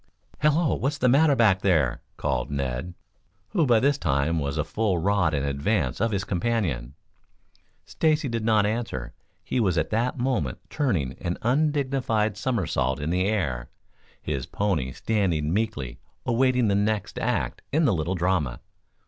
"Hello, what's the matter back there?" called Ned, who by this time was a full rod in advance of his companion. Stacy did not answer. He was at that moment turning an undignified somersault in the air, his pony standing meekly, awaiting the next act in the little drama.